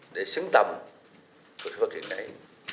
để xứng tầm với phát triển này